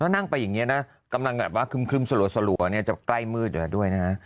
นั่งไปอย่างนี้นะกำลังแบบว่าครึ่มสลัวจะใกล้มืดอยู่แล้วด้วยนะฮะ